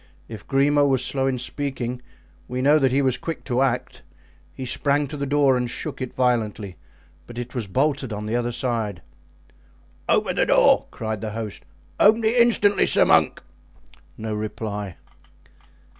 If Grimaud was slow in speaking, we know that he was quick to act; he sprang to the door and shook it violently, but it was bolted on the other side. "Open the door!" cried the host; "open it instantly, sir monk!" No reply.